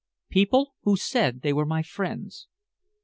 "People who said they were my friends."